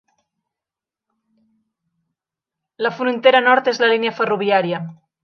La frontera nord és la línia ferroviària.